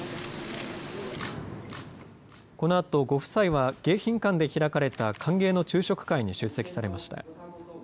このあと、ご夫妻は迎賓館で開かれた歓迎の昼食会に出席されました。